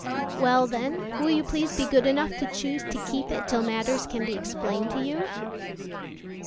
"Well, then, will you please be good enough to choose to keep it till matters can be explained to you?"